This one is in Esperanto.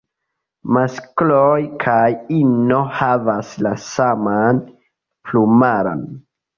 Maskloj kaj ino havas la saman plumaron.